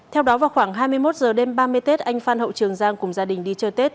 theo đó vào khoảng hai mươi một h đêm ba mươi tết anh phan hậu trường giang cùng gia đình đi chơi tết